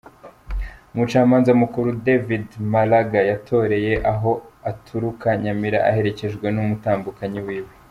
Umucamanza mukuru David Maraga yatoreye aho aturuka Nyamira aherekejwe n’umutambukanyi wiwe.